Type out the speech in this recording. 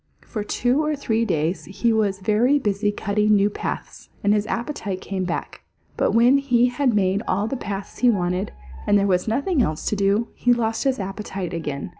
For two or three days he was very busy cutting new paths, and his appetite came back. But when he had made all the paths he wanted, and there was nothing else to do, he lost his appetite again.